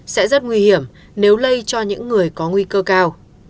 sẽ rất nguy hiểm nếu lây cho những người có nguy cơ cao